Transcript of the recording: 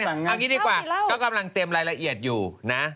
เอางี้ดีกว่าก็กำลังเตรียมรายละเอียดอยู่นะ